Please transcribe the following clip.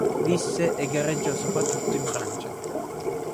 Visse e gareggiò soprattutto in Francia.